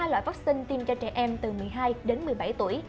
hai loại vaccine tiêm cho trẻ em từ một mươi hai đến một mươi bảy tuổi